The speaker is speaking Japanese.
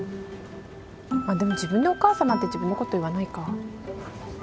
まっでも自分でお母さまって自分の事言わないか。